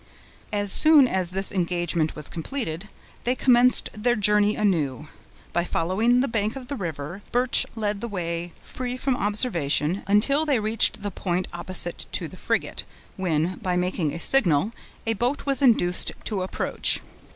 As soon as this engagement was completed, they commenced their journey anew. By following the bank of the river, Birch led the way free from observation, until they reached the point opposite to the frigate, when, by making a signal, a boat was induced to approach.